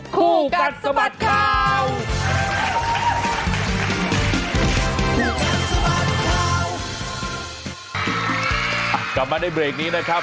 กลับมาในเบรกนี้นะครับ